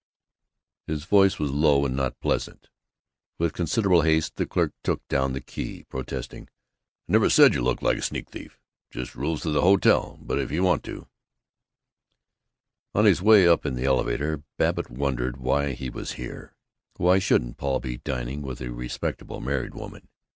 His voice was low and not pleasant. With considerable haste the clerk took down the key, protesting, "I never said you looked like a sneak thief. Just rules of the hotel. But if you want to " On his way up in the elevator Babbitt wondered why he was here. Why shouldn't Paul be dining with a respectable married woman?